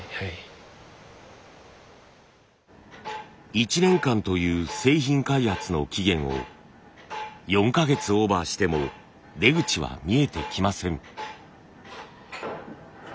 １年間という製品開発の期限を４か月オーバーしても出口は見えてきません。